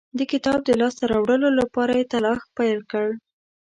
د کتاب د لاسته راوړلو لپاره یې تلاښ پیل کړ.